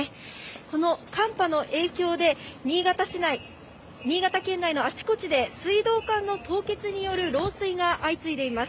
この寒波の影響で、新潟市内、新潟県内のあちこちで水道管の凍結による漏水が相次いでいます。